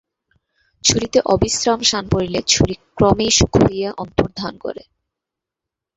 ছুরিতে অবিশ্রাম শান পড়িলে ছুরি ক্রমেই সূক্ষ্ম হইয়া অন্তর্ধান করে।